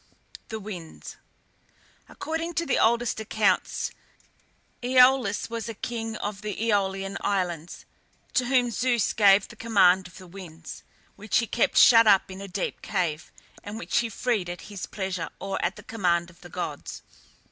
THE WINDS. According to the oldest accounts, Æolus was a king of the Æolian Islands, to whom Zeus gave the command of the winds, which he kept shut up in a deep cave, and which he freed at his pleasure, or at the command of the gods.